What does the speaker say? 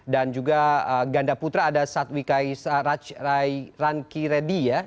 dan juga ganda putra ada satwikai rangkireddy ya